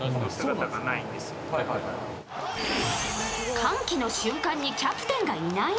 歓喜の瞬間にキャプテンがいない？